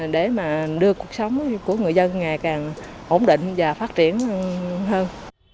để mà đưa cuộc sống của người dân ngày càng ổn định và phát triển hơn